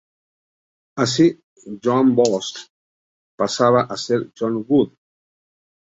Así, Joan Bosch pasaba a ser John Wood.